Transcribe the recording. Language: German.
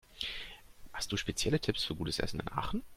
Hast du spezielle Tipps für gutes Essen in Aachen?